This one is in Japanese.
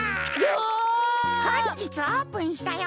ほんじつオープンしたよ。